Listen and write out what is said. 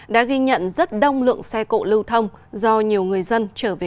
đã ghi nhận rất đông lượng xe cộ lưu thông do nhiều người dân trở về